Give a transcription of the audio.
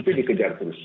itu dikejar terus